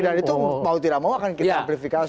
dan itu mau tidak mau akan kita amplifikasi